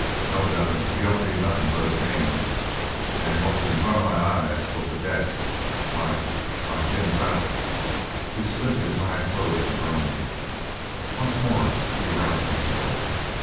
No gun he don't need nothin' but his hands and what was in front of my eyes was a death like like Jim Silent's!" He squinted his eyes close and groaned. Once more he roused himself.